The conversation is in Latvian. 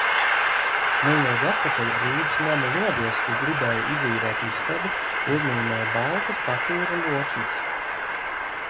Neilgi atpakaļ, Rīgas namu logos, kas gribēja izīrēt istabu, uzlīmēja baltas papīra loksnes.